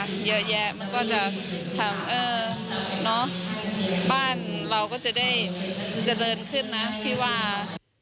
บ้านเราก็จะได้เจริญขึ้นนะพี่ว่า